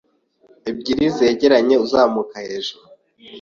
ebyiri zegeranye uzamuka hejuru